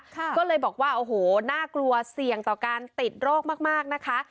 ก็เลยบอกว่าโอ้โหน่ากลัวเสี่ยงต่อการติดโรคมากนะคะ